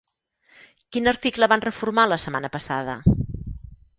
Quin article van reformar la setmana passada?